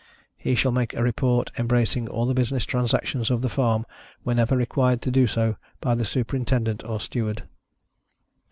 He shall make a report, embracing all the business transactions of the farm, whenever required to do so by the Superintendent or Steward.